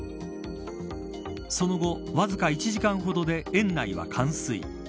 その後、わずか１時間ほどで園内は冠水。